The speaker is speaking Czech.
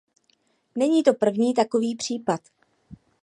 Není to první takový případ.